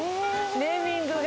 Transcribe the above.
ネーミングが。